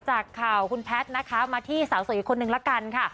จากข่าวคุณแพทย์นะคะมาที่สาวสวยอีกคนนึงละกันค่ะ